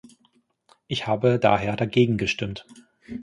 Ich habe daher dagegen gestimmt.